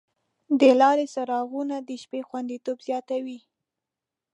د لارې څراغونه د شپې خوندیتوب زیاتوي.